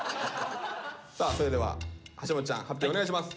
それでははしもっちゃん発表お願いします。